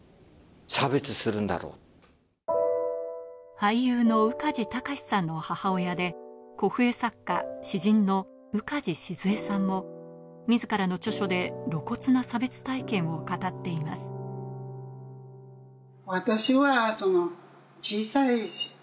俳優の宇梶剛士さんの母親で古布絵作家・詩人の宇梶静江さんも自らの著書で露骨な差別体験を語っていますそれで。